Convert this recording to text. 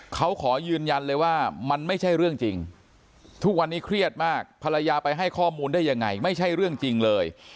เขาขอยืนยันเลยว่ามันไม่ใช่เรื่องจริงทุกวันนี้เครียดมากภรรยาไปให้ข้อมูลได้ยังไงไม่ใช่เรื่องจริงเลย